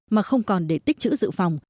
mà không còn để tích chữ dự phòng